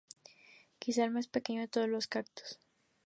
Quizás el más pequeño de todos los cactus.